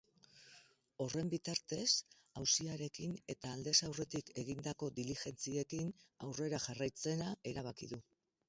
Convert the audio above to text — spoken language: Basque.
Horren bitartez, auziarekin eta aldez aurretik egindako diligentziekin aurrera jarraitzea erabaki du.